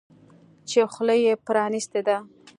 چې خوله یې پرانیستې ده.